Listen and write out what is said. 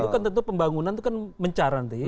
itu kan tentu pembangunan itu kan mencar nanti ya